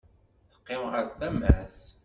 Teqqim ɣer tama-s.